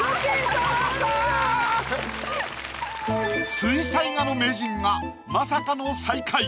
水彩画の名人がまさかの最下位。